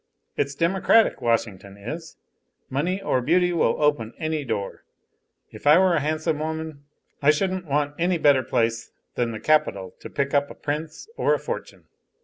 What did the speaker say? It's democratic, Washington is. Money or beauty will open any door. If I were a handsome woman, I shouldn't want any better place than the capital to pick up a prince or a fortune."